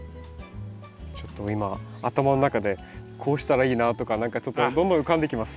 ちょっと今頭の中でこうしたらいいなとか何かちょっとどんどん浮かんできます。